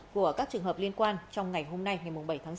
của các trường hợp liên quan trong ngày hôm nay ngày bảy tháng sáu